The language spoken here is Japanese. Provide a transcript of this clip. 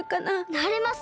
なれます！